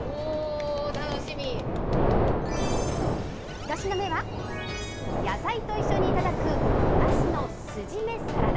１品目は、野菜と一緒にいただくいわしの酢締めサラダ。